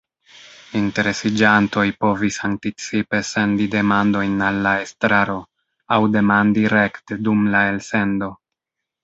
Interesiĝantoj povis anticipe sendi demandojn al la estraro, aŭ demandi rekte dum la elsendo.